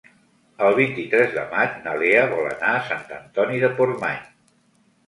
El vint-i-tres de maig na Lea vol anar a Sant Antoni de Portmany.